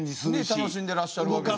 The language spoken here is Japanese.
楽しんでらっしゃるわけで。